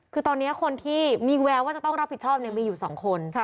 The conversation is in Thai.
คือตอนนี้คนที่มีแววว่าจะต้องรับผิดชอบมีอยู่๒คน